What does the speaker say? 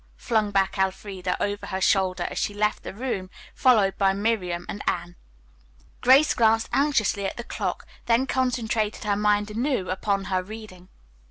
flung back Elfreda over her shoulder as she left the room, followed by Miriam and Anne. Grace glanced anxiously at the clock, then concentrated her mind anew upon her reading.